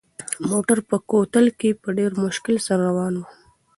موټر په کوتل کې په ډېر مشکل سره روان و.